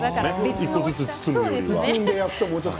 １個ずつ包むよりは。